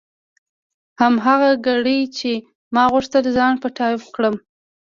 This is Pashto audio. هماغه ګړۍ چې ما غوښتل ځان پټاو کړم.